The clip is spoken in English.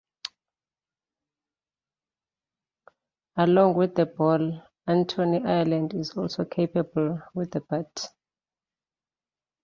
Along with the ball, Anthony Ireland is also capable with the bat.